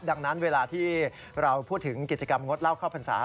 ดังนั้นเวลาที่เราพูดถึงกิจกรรมงดเหล้าเข้าพรรษา